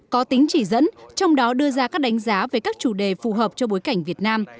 có tính chỉ dẫn trong đó đưa ra các đánh giá về các chủ đề phù hợp cho bối cảnh việt nam